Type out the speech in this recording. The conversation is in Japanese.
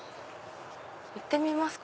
行ってみますか。